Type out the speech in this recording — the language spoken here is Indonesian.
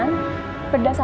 lo tuh cuma kasihnya